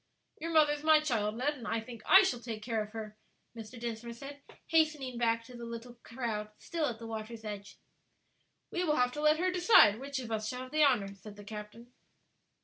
"Your mother is my child, Ned, and I think I shall take care of her," Mr. Dinsmore said, hastening back to the little crowd still at the water's edge. "We will have to let her decide which of us shall have the honor," said the captain.